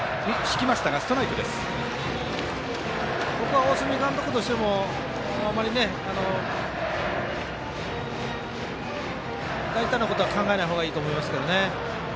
ここは大角監督としてもあまり、大胆なことは考えないほうがいいと思います。